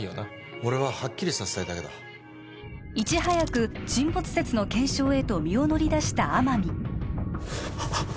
俺ははっきりさせたいだけだいち早く沈没説の検証へと身を乗り出した天海あ